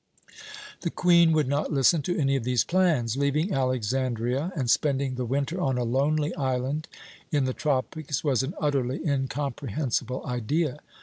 "The Queen would not listen to any of these plans. Leaving Alexandria and spending the winter on a lonely island in the tropics was an utterly incomprehensible idea.